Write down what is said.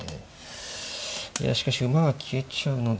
いやしかし馬が消えちゃうので。